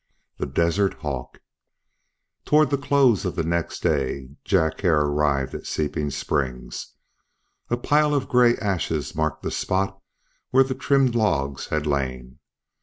THE DESERT HAWK TOWARD the close of the next day Jack Hare arrived at Seeping Springs. A pile of gray ashes marked the spot where the trimmed logs had lain.